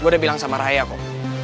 gue udah bilang sama raya kok